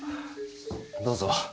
どうぞ。